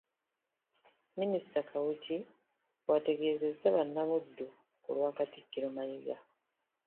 Minisita Kawuki bw’ategeezezza bannabuddu ku lwa Katikkiro Mayiga.